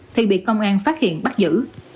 thì bị công an phát hiện bắt giữ